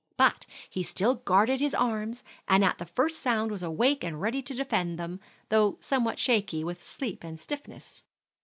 But he still guarded his arms, and at the first sound was awake and ready to defend them, though somewhat shaky with sleep and stiffness.